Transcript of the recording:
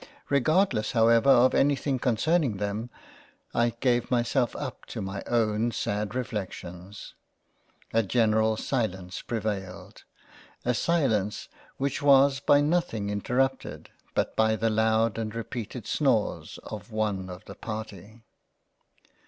Regardless however of anything concerning them, I gave myself up to my own sad Reflections. A general silence prevailed — A silence, which was by nothing interrupted but by the loud and repeated snores of one of the Party.